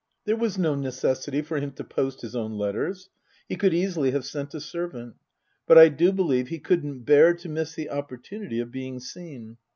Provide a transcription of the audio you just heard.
There was no necessity for him to post his own letters, he could easily have sent a servant. But I do believe he couldn't bear to miss the opportunity of being seen.